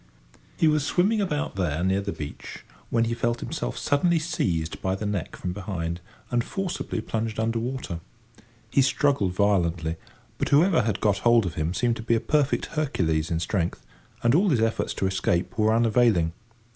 He was swimming about there near the beach, when he felt himself suddenly seized by the neck from behind, and forcibly plunged under water. He struggled violently, but whoever had got hold of him seemed to be a perfect Hercules in strength, and all his efforts to escape were unavailing.